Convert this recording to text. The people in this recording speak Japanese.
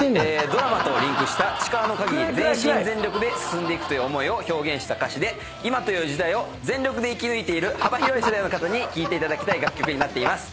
ドラマとリンクした力の限り全心全力で進んでいく思いを表現した歌詞で今という時代を全力で生き抜いている幅広い世代の方に聴いていただきたい楽曲になっています。